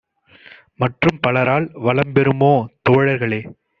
மற்றும் பலரால் வளம்பெறுமோ தோழர்களே!